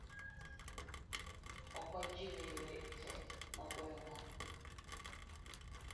Ok ojiw e yore te mag goyo mbaka.